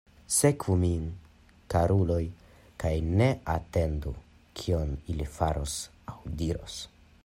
Sekvu min, karuloj, kaj ne atentu kion ili faros aŭ diros.